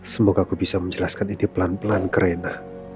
semoga aku bisa menjelaskan ini pelan pelan ke rena